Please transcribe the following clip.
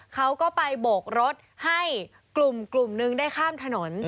เขาก็ไปโบกรถให้กลุ่มนึงได้ข้ามถนน